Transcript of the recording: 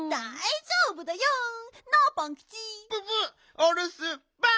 おるすばん！